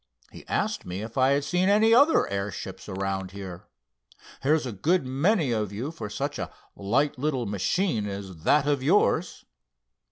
He asked me if I had seen any other airships around here. There's a good many of you for such a light little machine as that of yours."